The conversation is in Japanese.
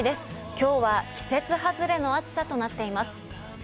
きょうは季節外れの暑さとなっています。